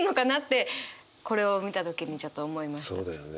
そうだよね。